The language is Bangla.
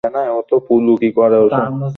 আমি তো তাহার কিছুই জানি না।